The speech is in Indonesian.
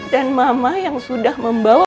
mama yang sudah membawa